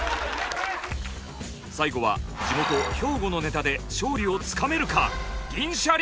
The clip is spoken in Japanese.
最後は地元兵庫のネタで勝利をつかめるか銀シャリ。